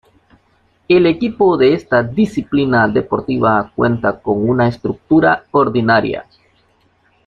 El equipo de esta disciplina deportiva cuenta con una estructura ordinaria.